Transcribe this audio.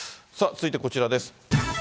さあ、続いてこちらです。